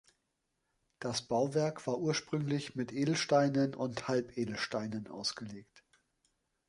Das Bauwerk war ursprünglich mit Edelsteinen und Halbedelsteinen ausgelegt.